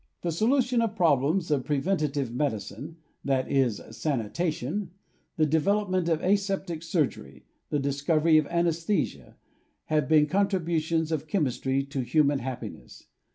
The solution of problems of preventive medicine — that is, sanitation — the development of aseptic surgery, the dis covery of anaesthesia, have been contributions of chemistry to human happiness.